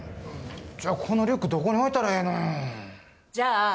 じゃあ、このリュックどこに置いたらええの。